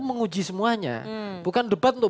menguji semuanya bukan debat untuk